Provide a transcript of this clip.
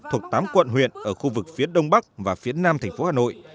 thuộc tám quận huyện ở khu vực phía đông bắc và phía nam thành phố hà nội